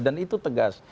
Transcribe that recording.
dan itu tegas